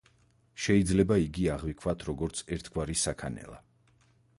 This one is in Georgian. შეიძლება იგი აღვიქვათ როგორც ერთგვარი საქანელა.